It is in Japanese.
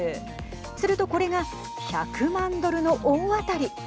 するとこれが１００万ドルの大当たり。